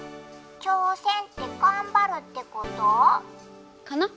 挑戦ってがんばるってこと？かな？